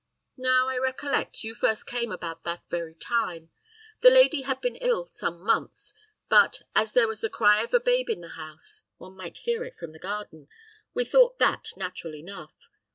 Now, I recollect, you first came about that very time. The lady had been ill some months; but, as there was the cry of a babe in the house one might hear it from the garden we thought that natural enough.